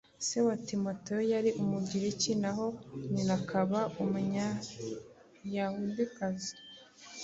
Se wa Timoteyo yari umugiriki naho nyina akaba umuyahudikazi.